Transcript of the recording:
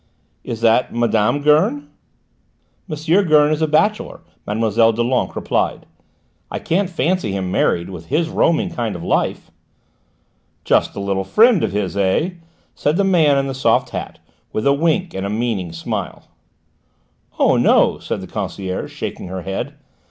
"Is that Mme. Gurn?" "M. Gurn is a bachelor," Mme. Doulenques replied. "I can't fancy him married, with his roaming kind of life." "Just a little friend of his, eh?" said the man in the soft hat, with a wink and a meaning smile. "Oh, no," said the concierge, shaking her head.